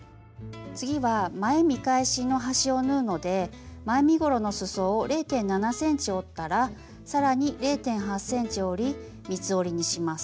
次は前見返しの端を縫うので前身ごろのすそを０．７ｃｍ折ったら更に０．８ｃｍ折り三つ折りにします。